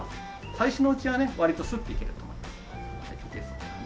最初のうちはね割とスッていけると思います。